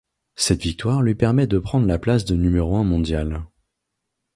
Cette victoire lui permet de prendre la place de numéro un mondial.